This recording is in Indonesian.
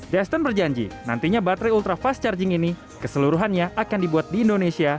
destin berjanji nantinya baterai ultra fast charging ini keseluruhannya akan dibuat di indonesia